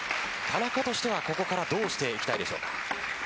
田中としてはここからどうしていきたいでしょうか。